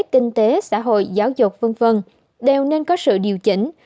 kinh tế xã hội giáo dục v v đều nên có sự điều chỉnh